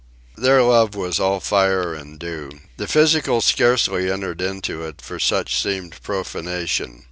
Their love was all fire and dew. The physical scarcely entered into it, for such seemed profanation.